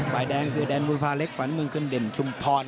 ฝ่ายแดงคือแดนมูลพาเล็กฝ่ายน้ำเมิงคืนเด่นชุมพร